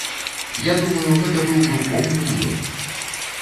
Я думаю, гэта быў бы поўны ўлёт!